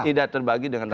tidak terbagi dengan rata